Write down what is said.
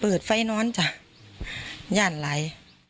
เปิดไฟนอนจ้ะย่านไหล